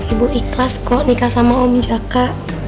ibu ikhlas kok nikah sama om jaka